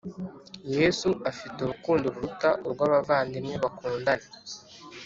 Yesu afite urukundo ruruta urwo abavandimwe bakundana